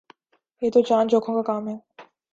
یہ تو جان جو کھوں کا کام ہے